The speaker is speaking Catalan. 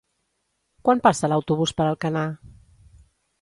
Quan passa l'autobús per Alcanar?